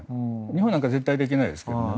日本なんかは絶対できないですけどね。